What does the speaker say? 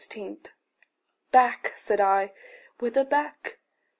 "Back," said I! Whither back?